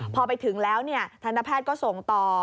พอไปถึงแล้วทันตแพทย์ก็ส่งต่อ